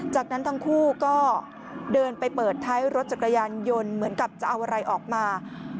จากนั้นทั้งคู่ก็เดินไปเปิดท้ายรถจักรยานยนต์เหมือนกับจะเอาอะไรออกมา